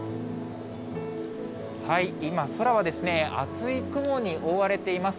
今、空は厚い雲に覆われています。